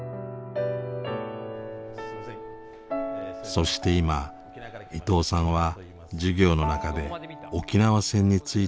そして今伊藤さんは授業の中で沖縄戦について教えています。